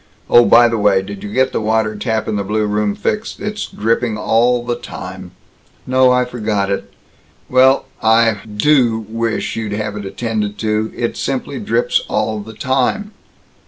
Oh, by the way, did you get the water tap in the blue room fixed? It's dripping all the time." "No, I forgot it." "Well, I do wish you'd have it attended to. It simply drips all the time."